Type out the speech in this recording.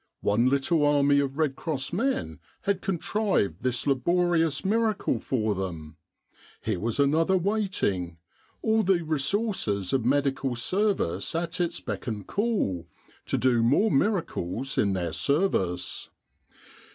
One little army of Red Cross men had contrived this laborious miracle for them : here was another waiting, all the resources of medical service at its beck and call, to do more miracles in their service.